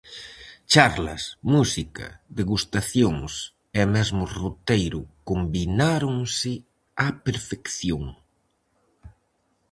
Charlas, música, degustacións e mesmo roteiro combináronse á perfección.